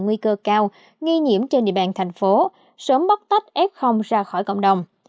nguy cơ cao nghi nhiễm trên địa bàn tp sớm bóc tách f ra khỏi cộng đồng